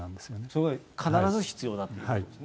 それが必ず必要だと。